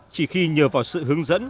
chỉ khi nhờ vào sự hướng dẫn